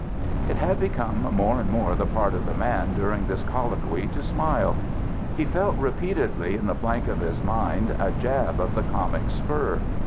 It had become more and more the part of the man during this colloquy to smile; he felt repeatedly in the flank of his mind a jab of the comic spur.